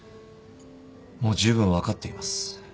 もうじゅうぶん分かっています。